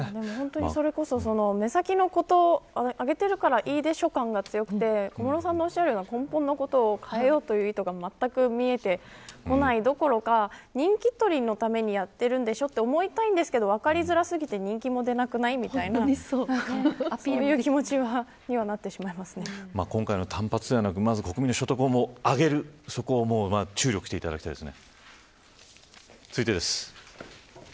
目先のことを挙げてるからいいでしょ感が強くて小室さんがおっしゃるような根本のことを変えようという意図がまったく見えてこないどころか人気取りのためにやっているんでしょうと思いたいんですけど分かりづらすぎて人気も出なくないみたいなそういう気持ちには今回の単発ではなく国民の所得を上げるそこに注力していただきたいです。